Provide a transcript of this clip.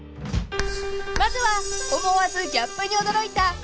［まずは思わずギャップに驚いた］